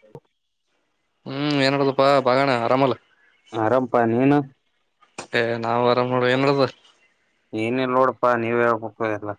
ಹ ಹ್ಮ್ ಏನಡ್ದಪ್ಪಾ ಬಗಣ ಅರಾಮಲ್ಲ ಆರಾಮಪಾ ನೀನು ಏ ನಾವವು್ ಆರಾಮ್ ಮಾಡೋುವ ಏನ್ಡ್ದ ಏನಲ್ ನೋಡಪ್ಪಾ ನೀವ್ ಹೇಳ್ಬೇಕಲ್ಲ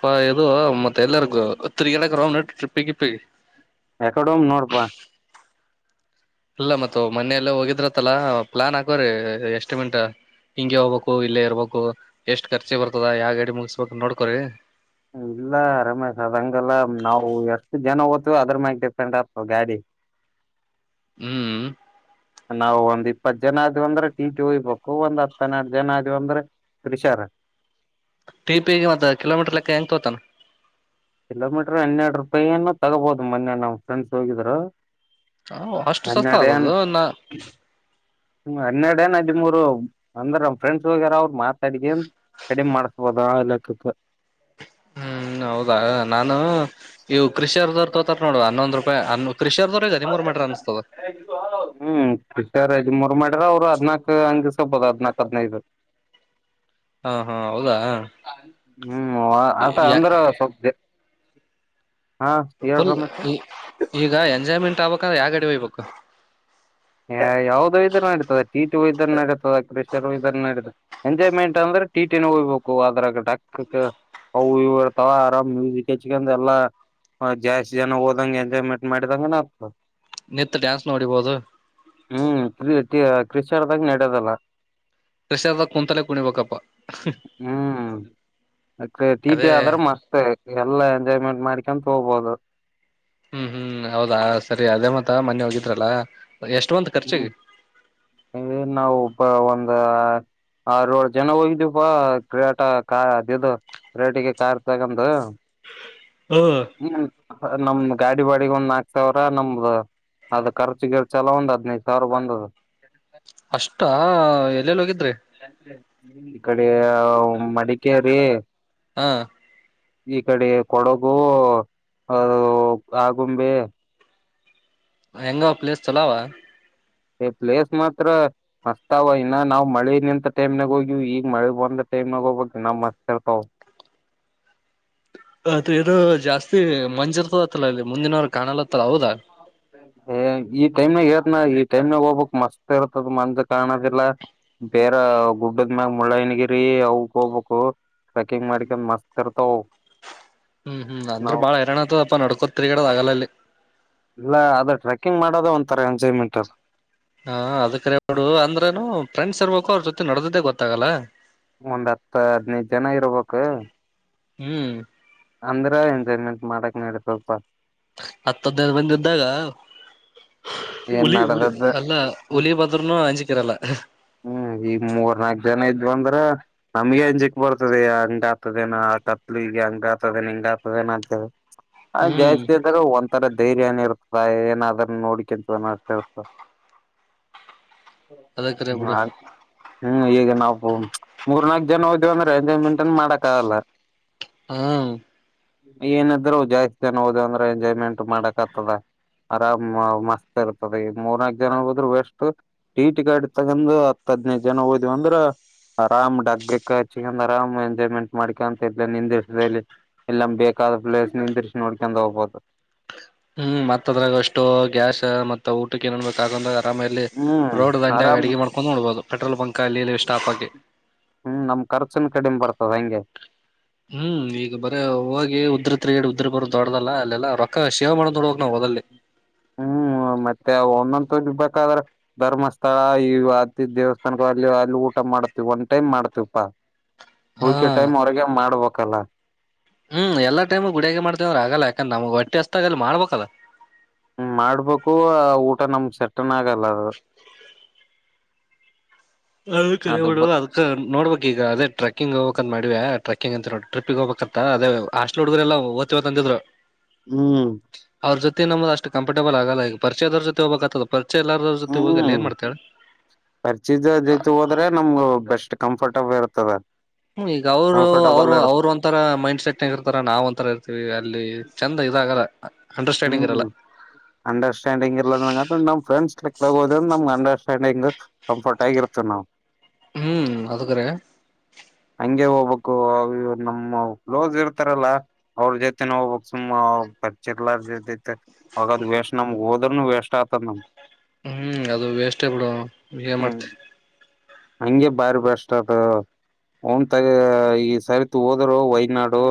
ಪ್ಪಾ ಎದೋ ಮತ್ತೆ ಎಲ್ಲಾರ್ಗ ತ್ತ್ರರಿ ಕಡಕ್ ರ ಟಿಪ್ಪಿಿಪ್ಪಿ ಎಕಡಮ ನೋಡ್ಪ ಇಲ್ಲ ಮತ್ತ ಮೊನೆಯಲ್ಲೇ ಹೋಗಿದ್ರತ್ತಲ್ಲ ಪ್ಲಾನ್ ಹಾಕವ್ರಿ ಎಷ್ಟು ಮಿಂಟ ಹಿಂಗಗೆ ಹೋಗ್ಬೇಕು ಇಲ್ಲೇ ಇರ್ಬೇಕು ಎಷ್ಟ್ ಖರ್ಚಿ ಬರ್ತದ ಯಾವ ಗಡಿ ಮುಗಸ್ಬೇಕ ನೋಡ್ಕೋ್ರಿ ಇಲ್ಲ ರಮೇಶ್ ಅದಂಗಲ್ಲ ನಾವು ಎಷ್ಟು ಜನ ಓ್ತವಿ ಅದ್ರ ಮ್ಯಾಗೆ ಡಿಪೆಂಡ್ ಆಗ್ತವ ಗಾಡಿ ಹ್ಮ್ ನಾವವು ಒಂದ್ ಇಪ್ಪತ್ ಜನ ಆದ್ವಿ ಅಂದ್ರೆ ಟಿಟಿ ಹೋಗ್ಬೇಕ ಒಂದ್ ಹತ್ತನ್ನೆರಡು ಜನ ಆದ್ವಿ ಅಂದ್ರೆ ತರಿಶಾರ ಟಿ ಪಿಿಗೆ ಮತ್ತ ಕಿಲೋಮೀಟರ್ ಲೆಕ್ಕ ಹೆಂಗ ತೋತಾನ ಕಿಲೋಮೀಟರ್ ಹನ್ನೆರ ರೂಪಾಯನ್ನು ತಗೋಬಹದು ಮೊನ್ನೆ ನಮ್ ಫ್ರೆಂಡ್ಸ್ ಹೋಗಿದ್ರು ಹ ಅಷ್ಟು ಸಸ್ತ ಆದದು ನ ಹ್ಮ ಹನ್ನೆರಡ ಏ ಹದಿಮೂರು ಅಂದ್ರ ನಮ್ಮ್ ಫ್ರೆಂಡ್ಸ್ ವಗರ ಅವ್ರರು ಮಾತಾಡಿಕ ಕಡಿಮೆ ಮಾಡಸ್ಬೋದಲ್ಲಕ್ಕತ್ ಹ್ಮ್ ಹೌದಾ ನಾನು ಇವ ಕೃಷಿಯರ್ವರ್ ತೋತ ನೋಡ ಹನ್ನೊಂದು ರೂಪಾಯಿ ಹ ಕೃಷಿಯರ್ವರ್ ಇದದಿ ಮೂರು ಮೀಟರ್ ಅನ್ಸ್ತದ ಹ್ಮ್ ಸದ್ ಮೂರ್ ಮಾಡ್ರ ಅವ್ರು ಹದ್ನಾಕಕ್ ಹಂಗ್ ದಿಸ್ಕಬೋದು ಹದ್ನಾಕಕ್ ಹದ್ೈದು ಹಾ ಹಾ ಹೌದಾ ಹ್ಮ್ ಅ ಅಧ್ರ ಸ್ದ ಫುಲ್ ರಮೇಶ ಈ ಈಗ ಎಂಜಾಯ್ಮೆಂಟ್ ಆಗ್ಬಂದ್ರೆ ಯಾವಾಗಡಿ ಹಯ್ಬೇಕು ಇದ ನಡತದೆ ಕ್ರಷರು ಇದ ನಡ ಎಂಜಾಯ್ಮೆಂಟ್ ಅಂದ್ರೆ ಟೀಟ ಹೋಗ್ಬೇಕು ಅದ್ರಾಗ ಡಕ್ಕಕ್ ಅ ಇವ ಇರ್ತಾವ ಆರಾಮ್ ಮ್ಯೂಸಿಕ್ ಹೆಚ್ಕಂಡ ಎಲ್ಲಾ ಜಾಸ್ತಿ ಜನ ಹೋದಂಗ ಎಂಜಾಯ್ಮೆಂಟ್ ಮಾಡಿದಂಗನ್ ಆಗ್ತ ನಿತ್ ಡ್ಯಾನ್ಸ್ ನೋಡಿಬಹುದು ಹ್ಮ್ ಕ್ರ ಕ್ರಿಶ್ಚರದಾಗ ನಡೋದಲ್ಲ ರಷ್ಯಾದ ಕುಂತಲೆ ಕುಣಿವ ಕಪ. ಟೀಟಿ ಆದರ ಮಸ್ತ್ ಎಲ್ಲಾ ಎಜಾಯ್ಮೆಂಟ್ ಮಾ್ರಿಕ ತೋೋಗಬೋದು. ಹ್ಮ್ ಹ್ಮ್ ಹೌದಾ ಸರಿ ಅದೇ ಮತ್ತ ಮೊನ್ನೆ ಹೋಗಿದ್ರಲ್ಲ. ಎಷ್ಟು ಬಂತ ಹ್ಮ್ ಖರ್ಚಿಗೆ ನಾವು ಒಬ್ಬ ಒಂದ. ಆೋಳ ಜನ ಹೋಗಿದಪ್ಪಾ ಕಾಟ ಕ ಅದದು. ರೇಟಿಗೆ ಕಾರ್ ತಗಂದುು. ಹ್ಮ್. ನಮ್ದ್ ಗಾಡಿ ಬಾಡಿಗೆ ಒಂದ್ ನಾಕ್ ಸಾವಿರ ನಮ್ದ. ಅದ ಖರ್ಚು ಗರ್ಚಲ ಒಂದ್ ಹದ್ಿನೈದು ಸಾವಿರ ಬಂದದ. ಅಷ್ಟ ಎಲ್ಲೆಲ್ಲಿ ಹೋಗಿದ್ದ. ಈ ಕಡೆ ಮಡಿಕೇರಿ. ಹಾ. ಈ ಕಡೆ ಕೊಡಗು ಅ ಆಗುಂಬೆ. ಹೆಂಗ ಪ್ಲೇಸ್ ಚಲಾವ. ಏ ಪ್ಲೇಸ್ ಮಾತ್ರ ಮಸ್ತಾವ ಇನ್ನ ನಾವ್ ಮಳೆ ನಿಂತ ಟೈಮ್ನಾಗ ಹೋಗಿವ್ ಈಗಗ್ ಮಳೆ ಬಂದ. ನಗೋ ಮಸ್ತತ. ಅತದು ಜಾಸ್ತಿ. ಮಂಜಿರ್ತದತ್ತಾ ಇಲ್ಲಿ ಮುಂದಿನವ ಕಾಣಲತ್ತಲ್ಲ ಹೌದಾ. ಏ ಈ ಟೈಮ್ಾಗ ಏದನ ಈ ಟೈಮ್ಗ್ ಹೋಗ್ಬೇಕಕ್ ಮಸ್ತ್ ಇರ್ತದ ಮಂದ ಕಾಣೋದಿಲ್ಲ. ಬೇರೆ ಗುಡ್ಡದ ಮ್ಯಾಗ ಮುಳ್ಳಯ್ಯನಗಿರಿ ಅವಕ್ ಹೋಗ್ಬೇಕು. ಟ್ರೆಕಿಂಗ್ ಮಾಡಿಕ ಮತ್ ಇರ್ತ. ಹ್ಮ್ ಹ್ಮ್ ಅಂದ್ರ ಬಾಳ ಹರಾಣ್ ಆತದಪ್ಪಾ ನಡ್ಕೋತ್ರಿಗಡದ್ ಆಗಲಲ್ಲಿ. ಇಲ್ಲ ಅದ ಟ್ರೆಕ್ಕಿಂಗ್ ಮಾಡೋದ ಒಂಥರ ಎಂಜಾಯ್ಮೆಂಟ್ ಅಲ್ಲ. ಹಾ ಅದ ಕರ ಬಿಡು ಅಂದ್ರನು ಫ್ರೆಂಡ್ಸ್ ಇರ್ಬೇಕು ಅವ್ರ ಜೊತೆ ನಡ್ದ್ದೇ ಗೊತ್ತಾಗಲ್ಲ. ಒಂದ್ ಹತ್ತು ಹದ್ನೈದು ಜನ ಇರ್ಬೇಕು. ಹ್ಮ್. ಅಂದ್ರ ಎಂಜಾಯ್ಮೆಂಟ್ ಮಾಡಕ್ ನೀಡ ಸ್ವಲ್ಪ. ಹತ್ತ ಹದ್ನೈದು ಮಂದಿ ಇದ್ದಾಗ. ಏನ್ ಉಲಿಿ ಉಳ ನಡದದ್ದ ಅಲ್ಲ ಒಳಿಯ ಪತ್ರತ್ರನ ಆಂಜಿಕರಲ್ಲ. ಹ್ಮ್ ಈ ಮೂರ್ ನಾಕ್ ಜನ ಇದ್ ಅಂದ್ರ ನಮ್ಗೆ ಅಂಜಿಕ್ ಬರ್ತದೆ ಹಂಗ ಆತದನ ಆತ. ಈಗ ಹಂಗ ಆತದೇ ಹಂಗ ಆತದನ ಅಂತ ಹ್ಮ್ ಜಾಸ್ತಿರು ಒಂಥರದ. ಧೈರ್ಯನ ಇರ್ತದ ಏನಾದ್ರನ್ನು ನೋಡಿಕಂತ ಅಷ್ಟ ಇರ್ತ. ಅದಕ್ಕರೆ ಬಿಡು. ಹ್ಮ್ ಹ್ಮ್ ಈಗ ನಾವು ಮೂರ್ನಾಲ್ಕಕ್ ಜನ ಹೋದೇವ ಅಂದ್ರೆ ಎಂಜಾಯ್ಮೆಂಟ್ ನ್ ಮಾಡಕ್ ಆಗಲ್ಲ. ಹಾ. ಏನಿದ್ರು ಜಾಸ್ತಿ ಜನ ಓದ ಅಂದ್ರೆ ಎಂಜಾಯ್ಮೆಂಟ್ ಮಾಡಕ್ ಆಗ್ತದ. ಆರಾಮ್ ಮಸ್ತ್ ಇರ್ತದೆ ಈ ಮೂರ್ನಾಕು ಜನ ಹೋದ್ರರು ವಸ್ು ಟೀಟಿ ಕ. ಗಂದು ಹತ್ತು ಹದ್ನೈದು ಜನ ಹೋದಿವವ ಅಂದ್ರ. ಆರಾಮ್ ಡಗ್ಗಕ್ಕ ಹಚ್ಚಿಕ ಆರಾಮ್ ಎಂಜಾಯ್ಮೆಂಟ್ ಮಾಡ್ಕೊಂತ ಇದ್ಲ ನಿಂದ ದಸದಲ್ಲಿ. ಎಲ್ಲ ಬೇಕಾದ ಪ್ಲೇಸ್ ನಿಂದಿಿಸಿಿ ನೋಡ್ಕೊಂಡು ಹೋಗ್ಬೋುದು. ಹ್ಮ್ ಮತ್ತತ್ ಅದ್ರಾಗ ಅಷ್ಟು ಗ್ಯಾಸ್ ಮತ್ತತ್ ಊಟಕ್ಕೆ ಏನೋನ್್ಬೇಕಾಗಂದ. ಆಾಮೇಲ್ಲಿ ಹ್ಮ್ ರೋಡ್ ದಂಡ ಆ ಆರಾಮ್ ಅಡಗೆ ಮಾಡ್ಕೊಂಡು ನೋಡಬಹುದು ಪೆಟ್ರೋಲ್ ಪಂಕ್ ಅಲ್ಲಿ. ಸ್ಟಾಪ್ ಆಗಿ ಹ್ಮ್ ನಮ ಖರ್ಚುನ್ ಕಡಿಮೆ ಬರ್ತದ ಹಂಗೆ. ಹ್ಮ್ ಈಗ ಬರ ಹೋಗಿ ಉದ್ರ ತಿರಿಗೇಡಿ ಉದ್ರ ಬರ ದೊಡ್ದಲ್ಲ ಅಲ್ಲೆಲ್ಲ ರೊಕ್ಕ ಶೇವ ಮಾಡ. ಹ್ಮ್ ಮತ್ತೆ ಇಂತ ಇ ಬೇಕಾದ್ರೆ ಧರ್ಮಸ್ಥಳ ಈ ಅತಿ ದೇವಸ್ಥಾನ ಅಲ್ಲಿ ಊಟ ಮಾಡತಿವಿ ಒನ್ ಟೈಮ್. ಮಾಡ್ತಪ ಹಾ ಉುಳ್ಕೆ ಟೈಮ್ ಅವ್ರಗ ಮಾಡ್ಬೇಕಲ್ಲ. ಹ್ಮ್ ಎಲ್ಲ ಟೈಮ್ ಗುಡಿಯಾಗಿ ಮಾಡ್ತವ್ರ ಆಗಲ್ಲ ಯಾಕಂದ್ರೆ ನಮಗ್ ಒಟ್ಟಿ ಹಸಾಗ ಅಲ್ಲಿ ಮಾಡ್ಬೇಕಲ್ಲ. ಹ ಮಾಡ್ಬೇಕು ಊಟ ನಮ್ ಸೆಟ್ಟನ್ ಆಗಲ್ಲ ಅದು. ಹ. ಅದು ಅದ್ಡು ಬ ಅದಕ್ ನೋಡ್ಬೇಕಕ್ ಈಗ ಅದ ಟ್ರಕ್ಕಿಂಗ್ ಹೋಗಬೇಕಕ್ ಅಂತ ಮಾಡಿವ್ಯಾ ಟ್ರೆಕಿಂಗ್ ಅಂತ ನೋಡ. ಟ್ರಿಪಿಗೆ ಹೋಗಬೇಕತ್ತ ಅದೇ ಹಸ್ಟ್ಲ್ ಹುಡುಗರು ಎಲ್ಲ ಓ್ತವ್ ಅಂದಿದ್ರು. ಹ್ಮ್ ಅವ್ರ ಜೊತೆ ನಮ್ದ ಅಷ್ಟ ಕಂಫರ್ಟಬಲ್ ಆಗಲ್ಲ ಈಗ ಪರಿಚದ್ರ ಜೊ ಹಬೇಕತದ್ ಮೆ ಎಲ್ಲಾರದ್ರ ಜೊತೆ ಹೋಗಲ್ಲ ಏನ್ ಮಾಡ್ತಿಯ. ಜೈತೆ ಹೋದ್ರೆ ನಮ್ಗು ಬೆಸ್ಟ್ ಕಂಫರ್ಟಬಲ್ ಇರ್ತದೆ. ಹ್ಮ ಈಗ ಅವರು ಅವರು ಅವ್ರ ಒಂತರ ಮೈಂಡ್ ಸೆಟ್ ಇರ್ತಾರ ನಾವ್ ಒಂಂತರ ಇರ್ತಿವಿ ಅಲ್ಲಿ ಚಂದ. ಇದಾಗಲ್ಲ ಅಂಡರ್ಸ್ಟ್ಯಾಂಡಿಂಗ್ ಇರಲ್ಲ ಹ್ಮ್ ಅಂಡರ್ಸ್ಟ್ಯಾಂಡಿಂಗ್ ಇರ್ಲ ನಂಗ ನಮ್ ಫ್ರೆಂಡ್ಸ್. ಕ್ ತಗೋದ ನಮ್ ಅಂಡರ್ಸ್ಟ್ಯಾಂಡಿಂಗ್ ಕಂಫರ್ಟ್ ಆಗಿ ಇರ್ತದೆ ನಾವು ‌. ಹ್ಮ್ ಅದುಕ್ಕರ ಹಂಗೆ ಹೋಗ್ಬಬೇಕಕ್ವ ನಮ್ಮ ಕ್ಲೋಸ್ ಇರ್ತಾರಲ್ಲ ಅವ್ರ ಜೊತೆನ ಹೋಗ್ಬಬೇಕ್ ಸುಮ್ಮ. ಪರಿಚಿರ್ಲತೆ ಅವಾಗದ್ ವೇಸ್ ನಮ್ಗ್ ಹೋದ್ರನು ವೇಸ್ಟ್ ಆಗ್ತದ ನಮ್. ಹ್ಮ್ ಅದು ವೇಸ್ಟೇ ಬಿಡು ಏನ್ ಮಾಡ್ತಿ. ಹಂಗೆ ಭಾರಿ ಬೆಷ್ಟ ಅದ. ಅವನ್ ತಗ ಈ ಸರಿತ ಹೋದರು ವೈನಾಡು.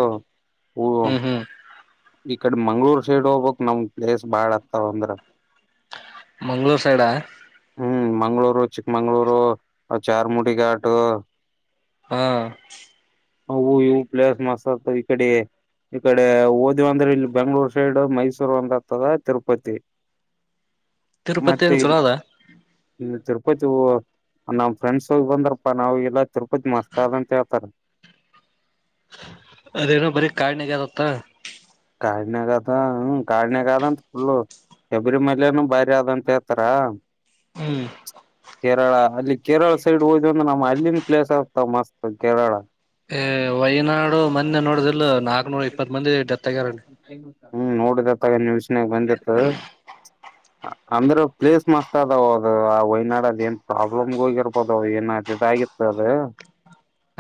ಊ ಹ್ಮ್ ಹ್ಮ್ ಈ ಕಡೆ ಮಂಗ್ಳೂರ್ ಸೈಡ್ ಹೋಗ್ಬಕ್ ನಮ ಪ್ಲೇಸ್ ಬಾಳ್ ಆತವ ಅಂದ್ರ. ಮಂಗ್ಳೂರ್ ಸೈಡ್. ಹ್ಮ್ ಮಂಗ್ಗಳೂರು ಚಿಕ್ಕಮಂಗ್ಗಳೂರು ಚಾರ್ಮುಡಿ ಘಾಟ್. ಹಾ ಹವು ಇ ಪ್ಲಸ್ ಮಾಸ್ರ್ ಇಕಡೆ. ಈ ಕಡೆ ಓದಿವ ಅಂದ್ರೆ ಇಲ್ಲಿ ಬೆಂಗ್ಳೂರ್ ಸೈಡ್ ಮೈಸೂರು ಅಂದತದ ತಿರುಪತಿ. ತಿರುಪತಿನು ಮತ್ತೆ ಚಲಾದಾ. ಇಲ್ಲಿ ತಿರುಪತಿ ನಮ್ ಫ್ರೆಂಡ್ಸ್ ಬಂದ್ರಪ್ಪಾ ನಾವು ಎಲ್ಲಾ ತಿರುಪತಿ ಮಸ್ತ ಅದ ಅಂತ ಹೇಳ್ತಾರೆ. ಅದೇನೋ ಬರಿ ಕಾಣಗದತ್ತ. ಕಾಡಿನ ಕದಾ ಹ್ಮ ಕಾಡಿನಗದ ಅಂತ ಫುಲ್ಲು. ಶಬರಿ ಮೇಲೆನು ಭಾರಿ ಆದಂತ ಹೇಳ್ತಾರ. ಹ್ಮ್ ಕೇರಳ ಅಲ್ಲಿ ಕೇರಳ ಸೈಡ್ ಹೋದ್ ಅಂದ್ರ ನಮ್ಮ್ ಅಲ್ಲಿನ ಪ್ಲೇಸ್ ಆಗ್ತಾವ ಮಸ್ತ್ ಕೇರಳ. ಏ ವೈನಾಡು ಮಂದೆ ನೋಡದಲ್ ನಾಕ್ನೂರ ಇಪ್ಪತ್ ಮಂದಿ ಡೆತ್ ತಗ್ಯಾರನಿ. ಹ್ಮ್ ನೋಡುದಪ್ಪ ನಿವಸನಾಗ ಬಂದಿತ್ತು. ಅಂದ್ರೆ ಪ್ಲೇಸ್ ಮಸ್ತ್ ಅದಾವ ಅದು ಆ ವೈನಾಡದ ಏನ್ ಪ್ರಾಬ್ಲಮ್ಗೆ ಹೋಗಿರ್ಬೋದು ಏನ. ಮೆ ಇದಾಗಿತ್ತು ಅದು.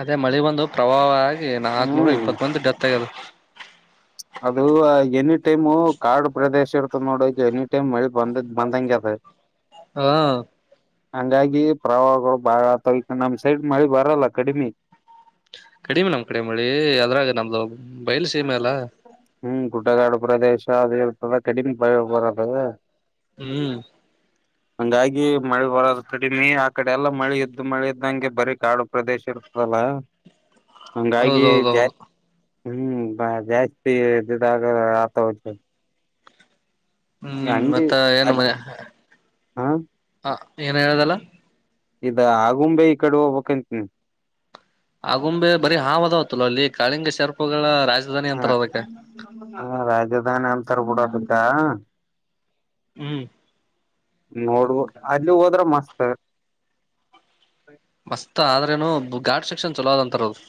ಅದೇ ಮಳಿ ಬಂದು ಪ್ರವಾಹ ಆಗ ನಾಲ್ಕನೂರ ಹ್ಮ್ ಇಪ್ಪತ್ ಮಂದಿ ಡೆತ್ ಆಗ್ಯದ. ಅದು ಎನಿ ಟೈಮು ಕಾಡು ಪ್ರದೇಶ ಇರ್ತದೆ ನೋಡ ಈ ಎನಿ ಟೈಮ್ ಮಳಿ ಬಂದ ಬಂದಂಗಗೆ ಅದ. ಹಾ ಹಂಗಾಗಿ ಪ್ರವಾಹಗಳು ಬಾಳ ಆಗ್ತಾವ ನಮ ಸೈಡ್ ಮಳಿ ಬರಲ್ಲ ಕಡಿಮೆ. ಕಡಿಮೆ ನಮ ಕಡಿಮಿ ಅದ್ರಾಗ ನಮ್ದು ಬಯಲು ಸೀಮೆ ಅಲ್ಲ. ಹ್ಮ್ ಗುಡ್ಡಗಾಡು ಪ್ರದೇಶ ಅದು ಇತಲ್ಲ ಕಡಿಮ ಪಯ ಬರದು. ಹ್ಮ್ ಹಂಗಾಗಿ ಮಳೆ ಬರೋದು ಕಡಿಮೆ ಆ ಕಡೆ ಎಲ್ಲಾ ಮಳೆ ಎದ್ದು ಮಳೆ. ದಂಗೆ ಬರಿ ಕಾಡು ಪ್ರದೇಶ ಇರ್ತದಲ್ಲ ಹಂಗಾಗಿ ಜ ಹೌದೌದೌದು ಹ್ಮ್ ಬ ಜಾಸ್ತಿ [unintelligible] ಆ ಆತ ಹ. ಹ್ಮ್ ಮತ್ತ ಏನ್ ಅದ್ ಮನೆ ಹ ಹ ಏನ್ ಹೇಳದಲ್ಲ. ಇದ ಆಗುಂಬೆ ಈ ಕಡೆ ಹೋಗ್ಬೇಕ್ಂತನ ಳ. ಆಗುಂಬೆ ಬರಿ ಹಾವದಾವತ್ತಲ್ಲ ಅಲ್ಲಿ ಕಾಳಿಂಗ ಶರ್ಪಗಳ ಹ. ಹ ಹ ರಾಜಧಾನಿ ಅಂತಾರ ಕೂಡದಕ್ಕ. ಹ್ಮ್ ನೋಡ್ಬ ಅಲ್ಲಿ ಹೋದ್ರೆ ಮಸ್ತ್. ಮಸ್ತ್ ಆದ್ರೇನು ಗಾಡ್ ಸೆಕ್ಷನ್ ಚಲೋದ ಅಂತರದು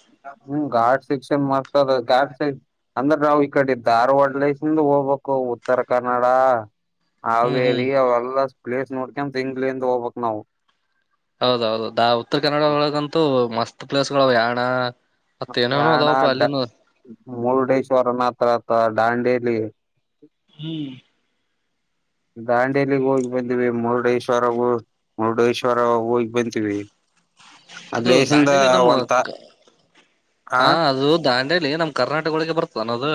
ಹ್ಮ್ ರ್ಡ್ ಶೆಕ್ಷನ್ ಮರ್ತದ ಗಾಡ್ ಸ ಅಂದ್ರ ರವು ಇಕಡೆ ಧಾರವಾಡಲಸ ಹೋಗಬೇಕು ಉತ್ತರ ಕನ್ನಡ ಹ್ಮ್ ಅವೇ ರೀ ಹ್ಮ್ ಅವೆಲ್ಲ ಪ್ಲೇಸ್ ನೋಡ್ಕ ತಿಂಗ್ಗಳಿಂದ ಹೋಗ್ಬೇಕಕ್ ನಾವವು ಹೌದೌದುೌ ದಾ ಉತ್ತರ ಕನ್ನಡ ಒಳಗಂತೂ ಮಸ್ತ್ ಪ್ಲೇಸ್ಗಳುಾವ ಯ ಹಾಣ ಯಣ ಮುರುಡೇಶ್ವರನ ಹತ್ರ ದಾಂಡೇಲಿ ಹ್ಮ್ ದಾಂಡೇಲಿಗ್ ಹೋಗಿ ಬಂದಿವವಿ ಮುರುಡೇಶ್ವರವೂ ಮುರುಡೇಶ್ವರ ಹೋಗಿ ಬಂತೀವಿ ಅದು ಅಲ್ಲಿಸಿಂದ ದಾಂಡೆಲೆ ನಮ್ಮ ಒಂತ ಆ ಹಾ ಅದು ದಾಂಡೆ ಇಲ್ಲ ನಮ್ ಕರ್ನಾಟಕ ಒಳಗೆ ಬರ್ತದೆ ಅನ್ನ ಅದು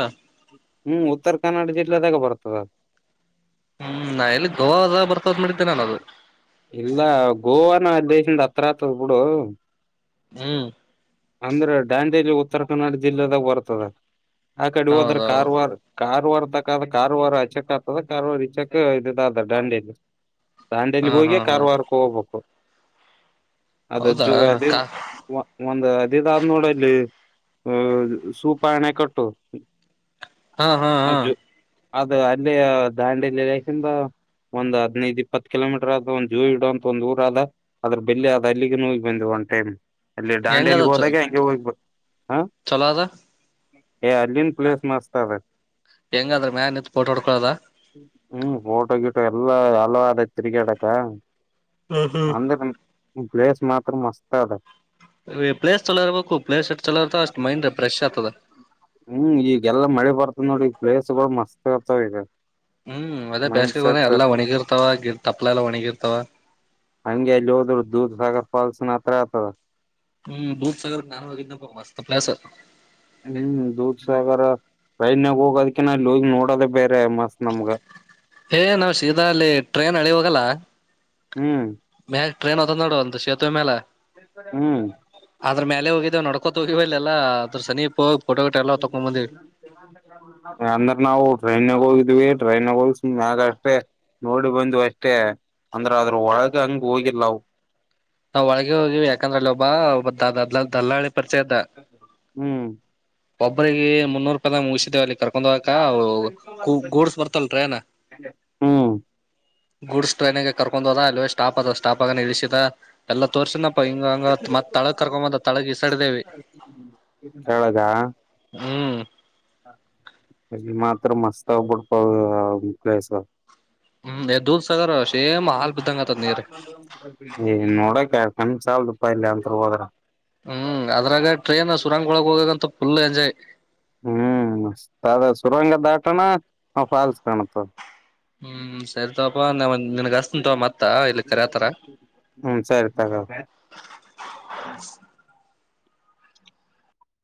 ಹ್ಮ್ ಉತ್ತರ ಕನ್ನಡ ಜಿಲ್ಲೆದಾಗ ಬರ್ತದ ಹ್ಮ್ ನಾ ಎಲ್ಲಿ ಗೋವಾ ಹೊ ಬರ್ತದ್ ಮಾಡಿದ್ದೇನೆ ನಾನು ಅದು ಇಲ್ಲ ಗೋವ ನ ದೇಶಿಂದ ಹತ್ರ ಆತದ ಬಿುಡು ಹ್ಮ್ ಅಂದ್ರೆ ಡಾಂಡಿಲಿ ಉತ್ತರ ಕನ್ನಡ ಜಿಲ್ಲೆದಾಗ ಬರ್ತದ ಆ ಕಡೆ ಹೋದ್ರ ಹೌದೌದು ಕಾರವಾರ್ ಕಾರವಾರ ಕಾರಾರ ಅಚಕ್ ಆಗ್ತದ ಕಾರ ಇಚಕ್ ಇದದ ದಾಂಡಿಯಲ್ಲಿ ದಾಂಡಿಯಲಿ ಹಾ ಹಾ ಹೋಗಿ ಹಾ ಕಾರವಾರಕ್ಕೆ ಹೋಗಬೇಕು ಅದು ಜ ಹೌದಾ ಅದ ಕಾ ಒಂದ್ ಅದ ಇದಾದ್ ನೋಡಲ್ಲಿ ಅ ಸೂಪ ಎಣೆ ಕಟ್ಟು ಹಾ ಹಾ ಹಾ ಅದು ಅಲ್ಲಿ ದಾಂಡಿ ಲಲೇಶಿಂದ ಒಂದ್ ಹದ್ನೈದು ಇಪ್ಪತ್ತು ಕಿಲೋಮೀಟರ್ ಆದದು ಜೂ ಇಡುವ ಅಂತ ಒಂದ ಊರ ಆದ ಅದ್ರ ಬೆಲ್ಲಿ ಅದ ಅಲ್ಲಿಗೆ ನೋಗಿ ಬಂದೆವು ಒಂದು ಟೈಮ್ ಅಲ್ಲಿ ಹೆಂಗದ ಡಿಯಲಿ ಹೋದಾಗೆ ಹಗೆ ಹೋಗ ಹ ಚಲೋ ಅದ ಏ ಅಲ್ಲಿನ್ ಪ್ಲೇಸ್ ಮಸ್ತ್ ಅದೆ ಹೆಂಗಾದ್ರ ಮ್ಯಾನ್ ನಿಂತತ್ ಪೋಟ ಹೊಡ್ಕೊಳದ ಹ್ಮ್ ಫೋಟೋ ಗಿಟು ಎಲ್ಲಾ ಹಲವಾದ ತಿರ್ಗಾಡಕ್ಕ ಹ್ಮ್ ಹ್ಮ್ ಬ್ಲಸ್ ಮಾತ್ರ ಮಸ್ತ್ ಅದ ಪ್ಲೇಸ್ ಚಲೋ ಇರ್ಬೇಕು ಪ್ಲೇಸ್ ಎಟ್ ಚಲೋ ಇರ್ತಾವ ಅಷ್ಟ್ ಮೈಂಡ್ ಫ್ರೆಶ್ ಆಗ್ತದ ಹ್ಮ್ ಈಗೆಲ್ಲ ಮಳೆ ಬ ಮತ್ತ ನೋಡಿ ಈ ಪ್ಲೇಸ್ಗಳು ಮಸ್ತ್ ಆರ್ತಾವ ಇದೆ ಹ್ಮ್ ಅದೇ ಬೇಸಿಗೆ ಬ ಎಲ್ಲಾ ಒಣಿಗಿರ್ತಾವ ಗಿ ತಪ್ಪಲೆ ಎಲ್ಲ ಒಣಿಗಿರ್ತಾವ ಹಂಗೆ ಅಲ್ಲಿ ಹೋದ್ರು ದೂದ್ ಸಾಗರ್ ಫಾಲ್ಸ್ನ ಹತ್ರ ಆತದ ಹ್ಮ್ ದೂಧ ಸಗರ ಜ್ಞಾನ ಬ ಮಸ್ತ ಪ್ಲಾಸ ಹ್ಮ್ ದೂರ್ ಸಾಗರ ಟ್ರೈನ್ಗ ಹೋಗೋದ್ಕ ಇಲ್ಲಿ ಹೋಗಿ ನೋಡೋದೇ ಬೇರೆ ಮಸ್ತ್ ನಮ್ಗ ಏ ನಾವ್ ಶೀದ ಅಲ್ಲಿ ಟ್ರೈನ್ ಅಳಿ ಹೋಗಲ್ಲ ಹ್ಮ್ ಹ ಟ್ರನ್ ಹೊತ್ತತ ನೋ ಅ ಸೇತುವ ಮೇಲೆ ಅ್ರ ಮಲೆ ಹೋಗ ನೋ ಗಿಟೋ ಎಲ್ಲ ತಕೊಂಡ್ ಬಂದಿವಿ ಯ ಅಂದ್ರ ನಾವು ಟ್ರೈನ್ಗ ಹೋಗಿದ್ವಿ ಟ್ರೈನ್ಗ ಹೋಗಸ ಮ್ಯಾಗ ಅಷ್ಟೇ ನೋಡಿ ಬಂದ್ ಅಷ್ಟೇ ಅಂದ್ರ ಅದ್ರ ಒಳಗ ಹಂಗ ಹೋಗಿಲ್ಲ ಅವು ನಾವವು ಒಳಗೆ ಹೋಗಿವವಿ ಯಾಕಂದ್ರ ಅಲ್ಲಿ ಒಬ್ಬ ಒಬ್ ದದಲ ದಲ್ಲಾ ಹ್ಮ್ ಒಬ್ಬರಿಗೆ ಮುನ್ನೂರುೂಪಿಗ ಮುಗಿದೇವೆ ಅಲ್ಲಿ ಕ ಒಂದ್ಕ ಯಾವ್ದು ಇಸ್ಕೊಂಬಂದ ಬನ್ನಿ ಗೂಡ್ಸ್ ಬರ್ತಲ್ರಏನ ಹಂಗೆ ಹ್ಮ್ ಗುಡ್ಸ್ ಟ್ರೈನಿಗೆ ಕರ್ಕೊಂಡ್ದ ಅಲ್ಲೇ ಸ್ಟಾಪ್ ಅದ ಸ್ಟಾಪ್ ಆಗಿ ನಿಲ್ಲಸಿದ ಎಲ್ಲಾ ತೋರ್ಸನಪ್ಪ ಹಿಂಗ ಹಂಗ ಮತ್ ತಾಗ್ ಕರ್ಕೊಂಬಂದ ತಳಗ ಇಸಾಡ್ದೇವಿ ಕೆಳಗ ಮಾತ್ರ ಮಸ್ತಬಡ್ ಪ ಕ್ಲಸ ಹ್ಮ್ ದೂದ್ ಸಾಗರ್ ಸೇಮ್ ಹಾಲ್ ಬಿದ್ದಂಗ ಆತದ ನೀರ್ ನೋಡಕ ನಂದ್ ಸಾಲ ದುಪ್ಪಾಯ ಇಲ್ಲ ಅಂತ ಹೋದ್ರ ಹ್ಮ್ ಅದ್ರಾಗ ಟ್ರೈನ್ ಸುರಂಗೊಳಕ್ ಹೋಗಾಗಂತ ಫುಲ್ ಎಂಜಾಯ್ ಹ್ಮ್ ಮ ಅದ ಸುರಂಗ ದಾಟಣ ಫಾಲ್ಸ್ ಕಾಣತ ಹ್ಮ್ ಸರಿ ತಾಪ ನ ನಿನಗೆ ಅಸ್ಂತ ಮತ್ತೆ ಹ್ಮ ಸರಿ ತಾಗ